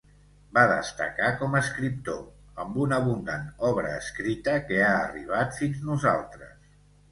Va destacar com escriptor, amb una abundant obre escrita que ha arribat fins nosaltres.